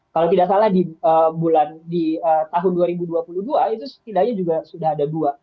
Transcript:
kalau tidak salah di bulan di tahun dua ribu dua puluh dua itu setidaknya juga sudah ada dua